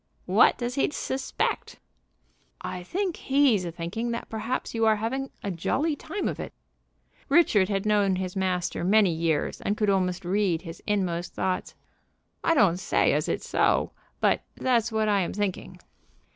"What does he suspect?" "I think he's a thinking that perhaps you are having a jolly time of it." Richard had known his master many years, and could almost read his inmost thoughts. "I don't say as it so, but that's what I am thinking."